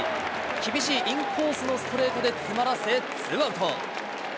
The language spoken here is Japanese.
厳しいインコースのストレートで詰まらせ、ツーアウト。